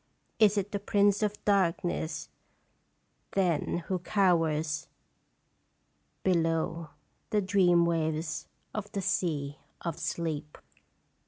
Is it the Prince of Darkness, then , who cowers Below the dream waves of the sea of Sleep